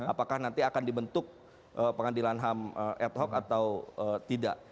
apakah nanti akan dibentuk pengadilan ham ad hoc atau tidak